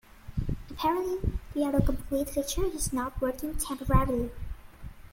Apparently, the autocomplete feature is not working temporarily.